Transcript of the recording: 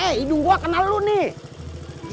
eh hidung gue kenal lu nih